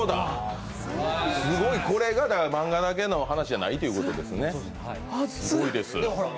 これが漫画だけの話じゃないということですね、すごいです。